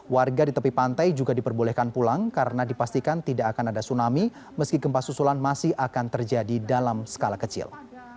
warga di tepi pantai juga diperbolehkan pulang karena dipastikan tidak akan ada tsunami meski gempa susulan masih akan terjadi dalam skala kecil